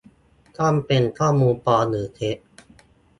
- ต้องเป็นข้อมูลปลอมหรือเท็จ